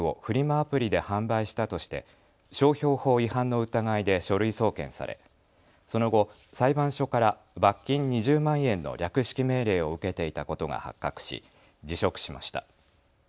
アプリで販売したとして商標法違反の疑いで書類送検されその後、裁判所から罰金２０万円の略式命令を受けていたことが発覚し辞職しました。